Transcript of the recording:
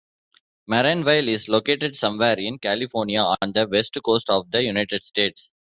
Marineville is located somewhere in California, on the West Coast of the United States.